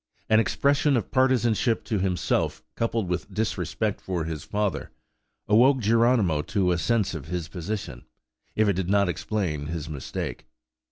An expression of partizanship to himself, coupled with disrespect for his father, awoke Geronimo to a sense of his position, if it did not explain his mistake.